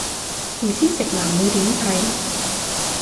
唔知直男會點睇